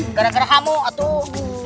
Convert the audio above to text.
gara gara kamu atuh